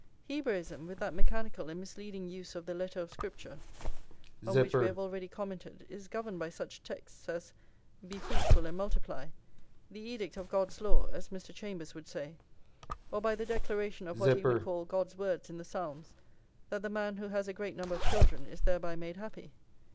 Hebraism, with that mechanical and misleading use of the letter of Scripture on which we have already commented, is governed by such texts as: Be fruitful and multiply,+ the edict of God's law, as Mr. Chambers would say; or by the declaration of what he would call God's words in the Psalms, that the man who has a great number of children is thereby made happy.